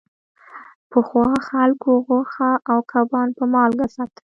پخوا خلکو غوښه او کبان په مالګه ساتل.